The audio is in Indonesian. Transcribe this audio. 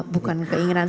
bukan keinginan saya